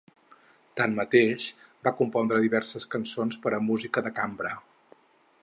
Tanmateix, va compondre diverses cançons per a música de cambra.